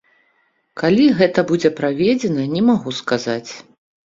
Калі гэта будзе праведзена, не магу сказаць.